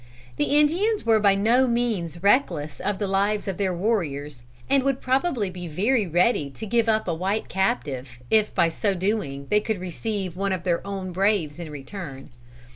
The Indians were by no means reckless of the lives of their warriors, and would probably be very ready to give up a white captive if by so doing they could receive one of their own braves in return.